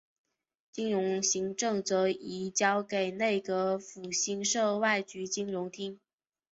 金融行政则移交给内阁府新设外局金融厅。